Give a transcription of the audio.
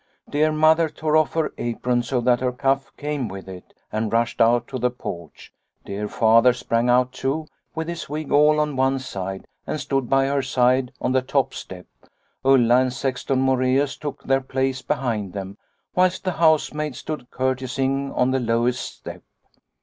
Dear Mother tore off her apron so that her cuff came with it, and rushed out to the porch ; dear Father sprang out, too, with his wig all on one side and stood by her side on the top step ; Ulla and Sexton Moreus took their place behind them, whilst the housemaid stood curtseying on the lowest step.